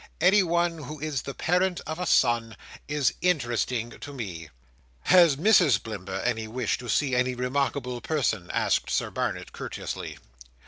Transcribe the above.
Anyone who is the parent of a son is interesting to me." "Has Mrs Blimber any wish to see any remarkable person?" asked Sir Barnet, courteously.